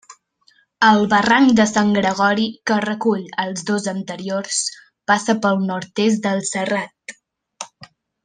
El barranc de Sant Gregori, que recull els dos anteriors, passa pel nord-est del serrat.